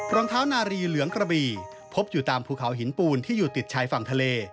รองเท้านารีเหลืองกระบี่พบอยู่ตามภูเขาหินปูนที่อยู่ติดชายฝั่งทะเล